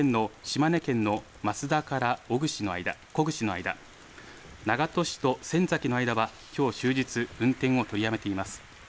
山陰本線の島根県の益田から大府市の小串の間長門市と仙崎の間はきょう終日運転を取りやめています。